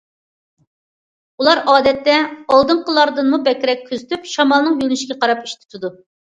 ئۇلار ئادەتتە ئالدىنقىلاردىنمۇ بەكرەك كۆزىتىپ، شامالنىڭ يۆنىلىشىگە قاراپ ئىش تۇتىدۇ.